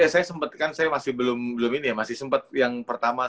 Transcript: eh saya sempet kan saya masih belum ini ya masih sempet yang pertama sembilan puluh delapan